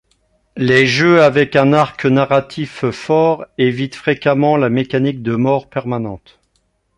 Les jeux avec un arc narratif fort évitent fréquemment la mécanique de mort permanente.